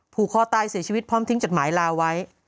ผูกคอตายเสียชีวิตพร้อมทิ้งจดหมายลาไว้